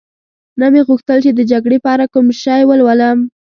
نه مې غوښتل چي د جګړې په اړه کوم شی ولولم.